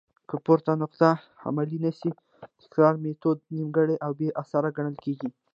که پورته نقاط عملي نه سي؛ تکراري ميتود نيمګړي او بي اثره ګڼل کيږي.